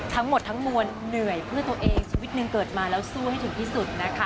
ทั้งหมดทั้งมวลเหนื่อยเพื่อตัวเองชีวิตหนึ่งเกิดมาแล้วสู้ให้ถึงที่สุดนะคะ